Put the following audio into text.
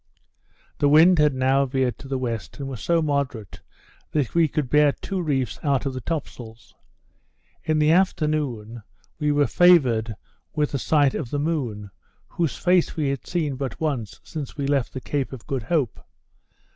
The wind had now veered to the west, and was so moderate, that we could bear two reefs out of the top sails. In the afternoon, we were favoured with a sight of the moon, whose face we had seen but once since we left the Cape of Good Hope.